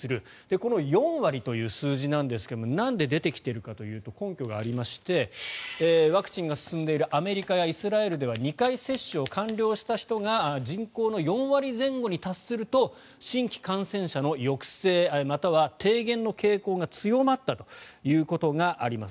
この４割という数字なんですがなんで出てきているかというと根拠がありましてワクチンが進んでいるアメリカやイスラエルでは２回接種を完了した人が人口の４割前後に達すると新規感染者の抑制または低減の傾向が強まったということがあります。